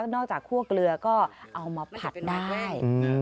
จากคั่วเกลือก็เอามาผัดได้